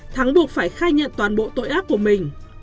thắng buộc phải khai nhận toàn bộ tội ác của mình